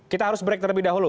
kita harus break terlebih dahulu